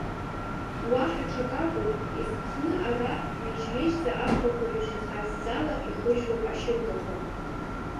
Уаҳа аҽак акәым, ес-ԥхны ара иҩежь-ҩежьӡа аӷбақәа реиԥш ихаззала ихыжьлоуп ашьынкақәа.